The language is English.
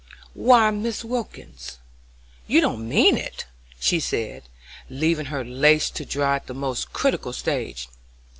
"Why, Mrs. Wilkins, you don't mean it!" she said, leaving her lace to dry at the most critical stage.